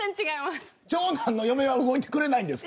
長男の嫁は動いてくれないんですか。